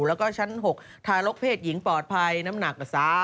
แล้วก็ชั้น๖ทารกเพศหญิงปลอดภัยน้ำหนักกว่า